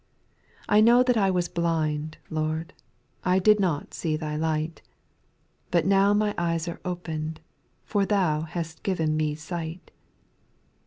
5. I know that I was blind. Lord, I did not see Thy light ; But now my eyes are opened. For Thou hast given me sight.